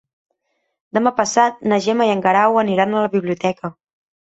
Demà passat na Gemma i en Guerau aniran a la biblioteca.